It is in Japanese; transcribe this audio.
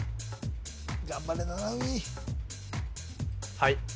頑張れ七海はい